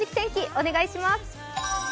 お願いします。